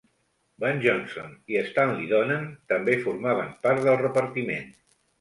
Van Johnson i Stanley Donen també formaven part del repartiment.